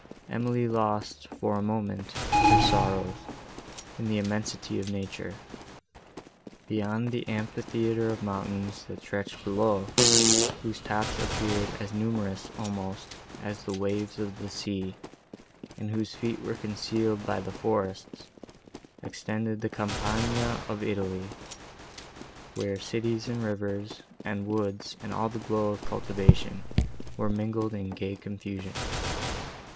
Emily lost, for a moment, her sorrows, in the immensity of nature. Beyond the amphitheatre of mountains, that stretched below, whose tops appeared as numerous almost, as the waves of the sea, and whose feet were concealed by the forests—extended the campagna of Italy, where cities and rivers, and woods and all the glow of cultivation were mingled in gay confusion.